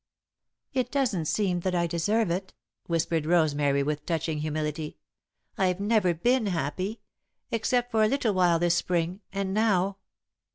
"It doesn't seem that I deserve it," whispered Rosemary, with touching humility. "I've never been happy, except for a little while this Spring, and now